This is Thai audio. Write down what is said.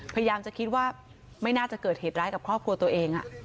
พยายามจะคิดว่าไม่น่าจะเกิดเหตุร้ายกับครอบครัวตัวเอง